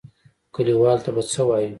کليوالو ته به څه وايو؟